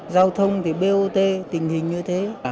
giao thông thì bot tình hình như thế